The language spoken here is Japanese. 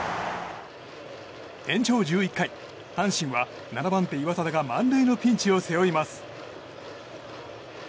延長１１回阪神は７番手、岩貞が満塁のピンチを背負います。